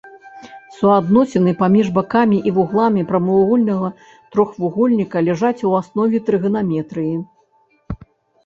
Суадносіны паміж бакамі і вугламі прамавугольнага трохвугольніка ляжаць у аснове трыганаметрыі.